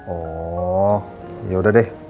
oh ya udah deh